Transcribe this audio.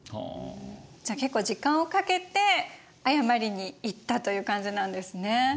じゃあ結構時間をかけて謝りに行ったという感じなんですね。